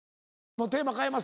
もうテーマ変えます